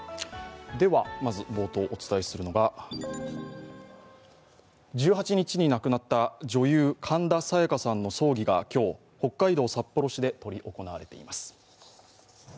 まず冒頭お伝えするのが１８日に亡くなった女優・神田沙也加さんの葬儀が今日北海道札幌市で執り行われています。